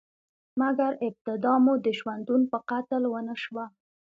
مګر، ابتدا مو د ژوندون په قتل ونشوه؟